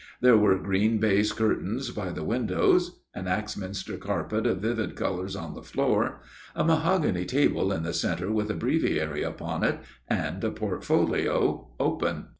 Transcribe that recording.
There were green baize curtains by the windows ; an Axminster carpet of vivid colours on the floor ; a mahogany table in the centre with a breviary upon it and a portfolio open.